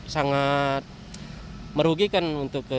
sangat merugikan untuk